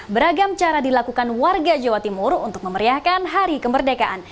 beragam cara dilakukan warga jawa timur untuk memeriahkan hari kemerdekaan